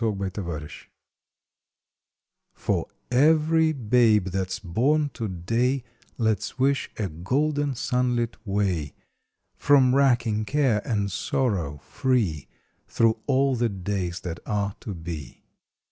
August Sixteenth GOOD WILL every babe that s born to day Let s wish a golden sunlit way From racking care and sorrow free Thro all the days that are to be.